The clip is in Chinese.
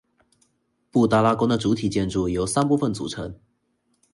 布达拉宫的主体建筑由三部分组成。